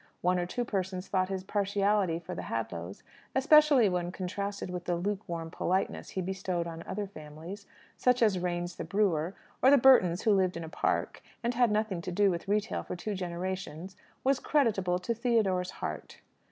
One or two persons thought his partiality for the Hadlows especially when contrasted with the lukewarm politeness he bestowed on other families, such as Raynes the brewer, or the Burtons who lived in a park, and had had nothing to do with retail for two generations was creditable to Theodore's heart.